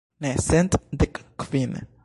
Ne, cent dek kvin.